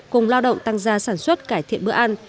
cùng lao động tăng gia sản xuất cải thiện bữa ăn